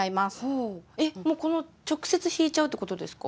えっもうこの直接引いちゃうってことですか？